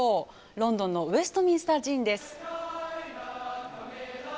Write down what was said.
ロンドンのウェストミンスター寺院です。